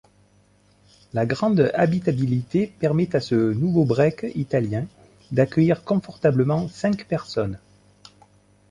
La grande habitabilité permet à ce nouveau break italien d'accueillir confortablement cinq personnes.